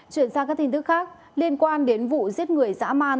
chuyển sang các tin tức khác liên quan đến vụ giết người dã man